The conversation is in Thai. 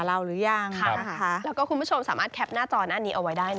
แล้วก็คุณผู้ชมสามารถแคปหน้าจอหน้านี้เอาไว้ได้นะ